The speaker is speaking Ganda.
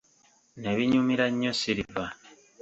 Ne binyumira nnyo Silver.